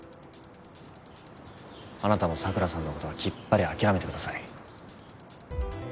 あなたも桜さんのことはきっぱり諦めてください。